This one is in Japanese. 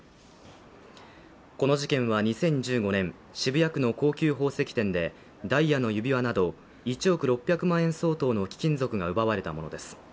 この事件は２０１５年、渋谷区の高級宝石店でダイヤの指輪など１億６００万円相当の貴金属が奪われたものです。